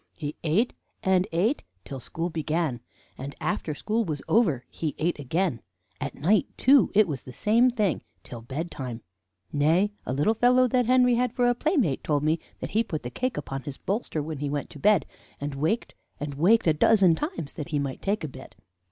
He ate and ate till school began, and after school was over he ate again; at night, too, it was the same thing till bedtime nay, a little fellow that Henry had for a playmate told me that he put the cake upon his bolster when he went to bed, and waked and waked a dozen times, that he might take a bit.